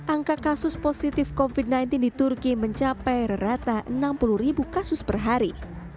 angka kasus positif covid sembilan belas di turki mencapai rata enam puluh ribu kasus per hari